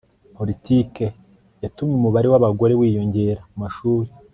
polititike yatumye umubare w'abagore wiyongera mu mashuri